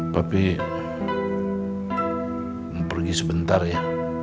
papi pergi sebentar ya